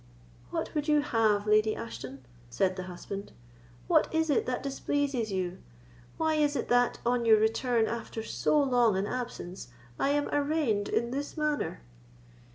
"What would you have, Lady Ashton?" said the husband. "What is it that displeases you? Why is it that, on your return after so long an absence, I am arraigned in this manner?"